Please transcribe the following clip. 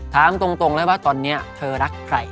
ถามตรงเลยว่าตอนนี้เธอรักใคร